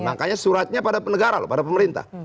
makanya suratnya pada negara loh pada pemerintah